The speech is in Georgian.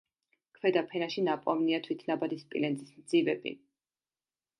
ქვედა ფენაში ნაპოვნია თვითნაბადი სპილენძის მძივები.